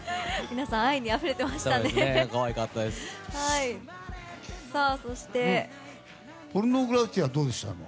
皆さん愛にあふれていましたね。